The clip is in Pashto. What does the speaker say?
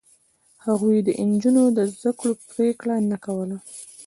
هغوی د نجونو د زده کړو پرېکړه نه کوله.